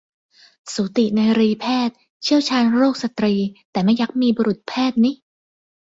สูตินรีแพทย์ เชี่ยวชาญโรคสตรี แต่ไม่ยักมี บุรุษแพทย์นิ